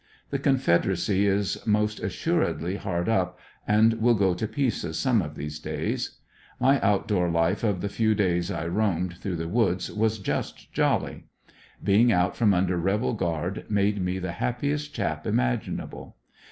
The Confederacy is most assuredly hard up, and will go to pieces some of these days. My out door life of the few days I roamed through the woods, was just jolly. Being out from under rebel guard made me the happiest chap imaginable.